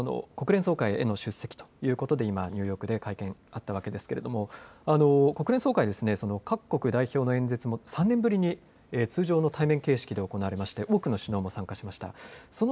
国連総会への出席ということで今、ニューヨークで会見があったわけですけれども国連総会は各国代表の演説も３年ぶりに通常の対面形式で行われまして多くの首脳も参加しました。